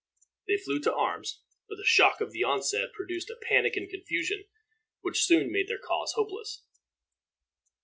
They flew to arms, but the shock of the onset produced a panic and confusion which soon made their cause hopeless.